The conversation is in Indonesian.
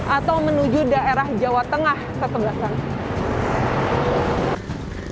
atau menuju daerah jawa tengah kesebelasan